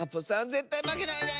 ぜったいまけないで！